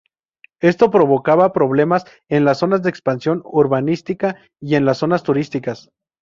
Esto provocaba problemas en las zonas de expansión urbanística y en la zonas turísticas.